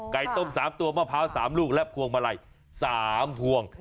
ต้ม๓ตัวมะพร้าว๓ลูกและพวงมาลัย๓พวง